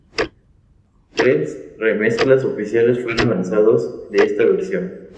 Tres remezclas oficiales fueron lanzados de esta versión.